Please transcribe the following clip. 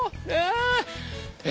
え